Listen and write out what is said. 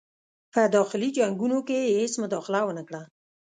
په داخلي جنګونو کې یې هیڅ مداخله ونه کړه.